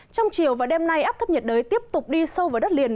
trong chiều và đêm nay áp thấp nhiệt đới tiếp tục đi sâu vào đất liền